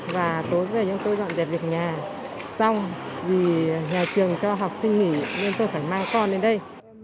và tối giờ chúng tôi dọn dẹp việc nhà xong vì nhà trường cho học sinh nghỉ nên tôi phải mang con lên đây